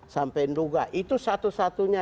sampai nduga itu satu satunya